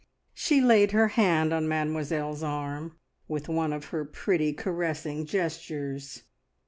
She laid her hand on Mademoiselle's arm, with one of her pretty caressing gestures.